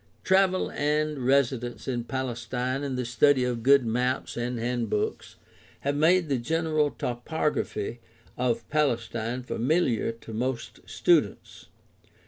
Travel and residence in Palestine and the study of good maps and handbooks have made the general topography of Palestine familiar to most students.